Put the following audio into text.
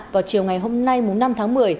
vào chiều ngày hôm nay năm tháng một mươi